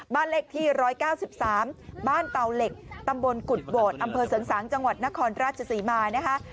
บ้านเลขที่๑๙๓บ้านเตาเหล็กตำบลกุฎโบดอำเภอเสริงสางจังหวัดนครราชศรีมานะคะ